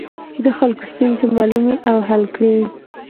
چې د خلکو ستونزې معلومې او حل کړي.